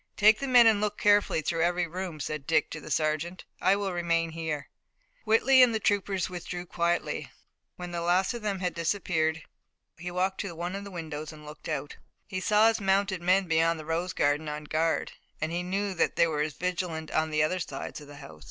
"Take the men and look carefully through every room," said Dick to the sergeant. "I will remain here." Whitley and the troopers withdrew quietly. When the last of them had disappeared he walked to one of the windows and looked out. He saw his mounted men beyond the rose garden on guard, and he knew that they were as vigilant on the other sides of the house.